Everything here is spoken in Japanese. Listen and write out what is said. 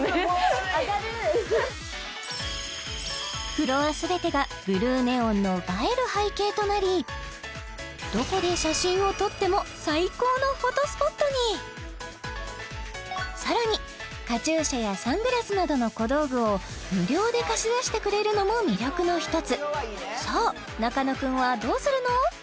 フロア全てがブルーネオンの映える背景となりどこで写真を撮ってもさらにカチューシャやサングラスなどの小道具を無料で貸し出してくれるのも魅力の１つさあ中野君はどうするの！？